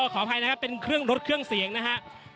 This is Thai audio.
ขออภัยนะครับเป็นเครื่องรถเครื่องเสียงนะครับ